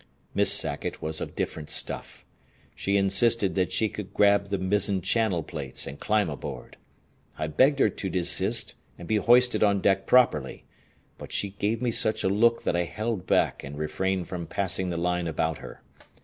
Miss Sackett was of different stuff. She insisted that she could grab the mizzen channel plates and climb aboard. I begged her to desist and be hoisted on deck properly, but she gave me such a look that I held back and refrained from passing the line about her.